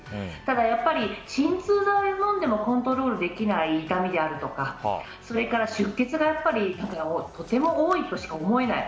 だから、鎮痛剤を飲んでもコントロールできない痛みであるとかそれから出血がとても多いとしか思えない。